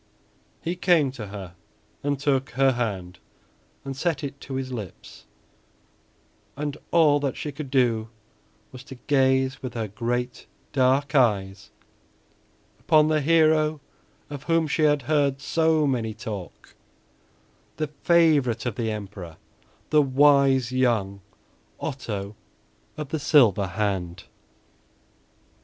He came to her and took her hand and set it to his lips, and all that she could do was to gaze with her great, dark eyes upon the hero of whom she had heard so many talk; the favorite of the Emperor; the wise young Otto of the Silver Hand.